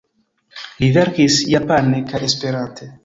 Li verkis japane kaj Esperante.